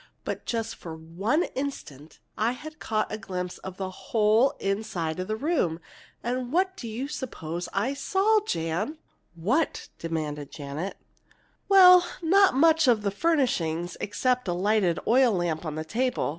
But just for one instant I had caught a glimpse of the whole inside of the room! And what do you suppose I saw, Jan?" "What?" demanded Janet. "Well, not much of the furnishing, except a lighted oil lamp on a table.